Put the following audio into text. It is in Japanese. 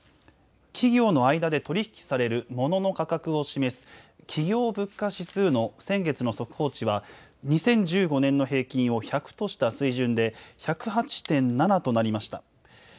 企業の間で取り引きされるモノの価格を示す企業物価指数の先月の速報値は２０１５年の平均を１００とした水準で１０８．７となりました。